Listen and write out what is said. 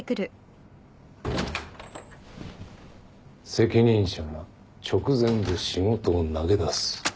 ・責任者が直前で仕事を投げ出す。